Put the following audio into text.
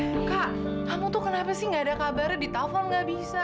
duh kak kamu tuh kenapa sih gak ada kabarnya di telfon gak bisa